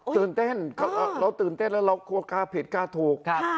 ตื่นเต้นเราตื่นเต้นแล้วเรากลัวกาผิดกาถูก